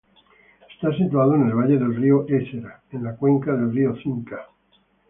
Está situado en el valle del río Ésera, en la cuenca del río Cinca.